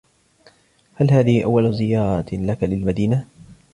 هل هذه أول زيارة لك للمدينة ؟